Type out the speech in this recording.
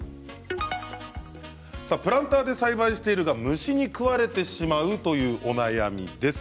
プランターで栽培していると虫に食われてしまうというお悩みです。